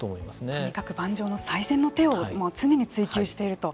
とにかく盤上の最善の手を常に追求していると。